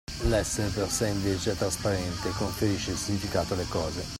L'essere per se invece è trasparente e conferisce il significato alle cose.